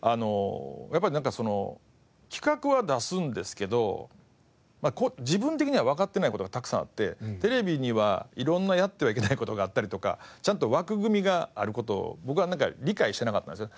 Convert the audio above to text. やっぱり企画は出すんですけど自分的にはわかってない事がたくさんあってテレビには色んなやってはいけない事があったりとかちゃんと枠組みがある事を僕は理解してなかったんですよ。